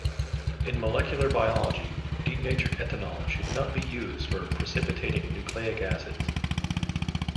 In molecular biology, denatured ethanol should not be used for precipitating nucleic acids.